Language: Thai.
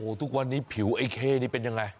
ทุกวันนี้ผิวไอ้เข้นี่เป็นยังไง